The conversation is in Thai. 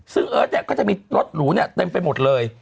ซึ่งเอิร์ทเนี่ยก็จะมีรถหรูเนี่ยเต็มไปหมดเลย